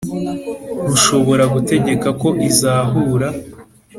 Rushobora gutegeka ko izahura